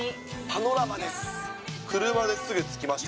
パノラマです。